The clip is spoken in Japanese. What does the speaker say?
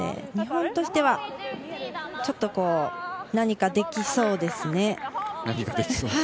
日本としてはちょっと何かできそうですね。